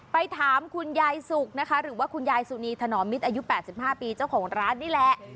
ไปถามคุณยายสุกนะคะหรือว่าคุณยายสุนีถนอมมิตรอายุ๘๕ปีเจ้าของร้านนี่แหละ